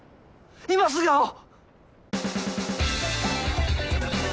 今すぐ会おう！